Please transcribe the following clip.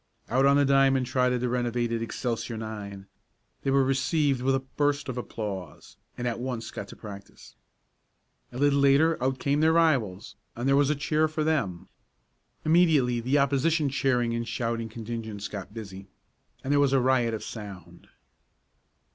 Out on the diamond trotted the renovated Excelsior nine. They were received with a burst of applause, and at once got to practice. A little later out came their rivals, and there was a cheer for them. Immediately the opposition cheering and shouting contingents got busy, and there was a riot of sound.